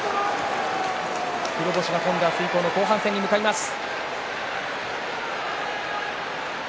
黒星が込んで、明日以降の後半戦に向かいます。